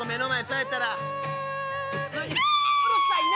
うるさいな！